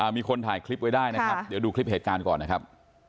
มีคนถ่ายคลิปไว้ได้นะครับเดี๋ยวดูคลิปเหตุการณ์ก่อนนะครับ